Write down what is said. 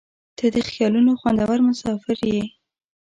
• ته د خیالونو خوندور مسافر یې.